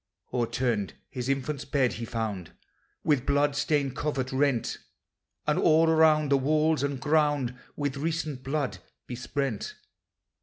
O'erturned his infant's bed he found, With blood stained covert rent; And all around the walls and ground With recent blood besprent.